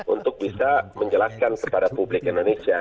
untuk bisa menjelaskan kepada publik indonesia